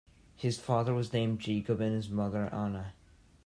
His father was named Jacob and his mother Anna.